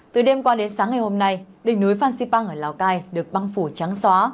từ đêm qua đến sáng ngày hôm nay đỉnh núi phan xipang ở lào cai được băng phủ trắng xóa